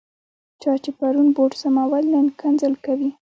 چا چې پرون بوټ سمول، نن کنځل کوي.